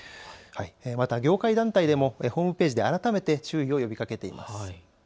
また、業界団体もホームページで改めて注意を呼びかけています。